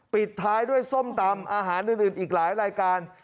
ปิดท้ายด้วยส้มตำอาหารอื่นอีกหลายรายการ